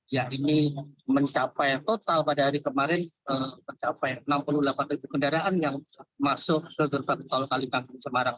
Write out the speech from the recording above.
ya ini mencapai total pada hari kemarin mencapai enam puluh delapan kendaraan yang masuk ke j tol kalikangkung semarang